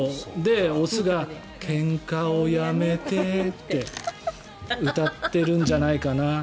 雄が、けんかをやめてって歌ってるんじゃないかな。